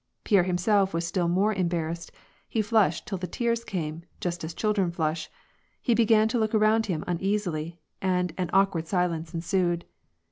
Pierre himself was still more embarrassed, he flushed till the tears came, just as children flush ; he began to look about him uneasily, ana an awkward silence ensued.